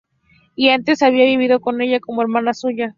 Y antes había vivido con ella, como hermana suya.